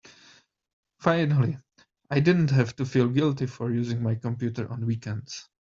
Finally I didn't have to feel guilty for using my computer on weekends.